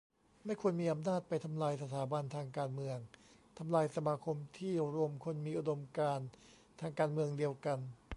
ไม่ควรมีอำนาจไปทำลายสถาบันทางการเมือง ทำลายสมาคมที่รวมคนมีอุดมการณ์ทางการเมืองเดียวกัน